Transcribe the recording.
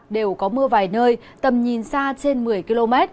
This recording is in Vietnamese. đều có mưa vài nơi tầm nhìn xa trên một mươi km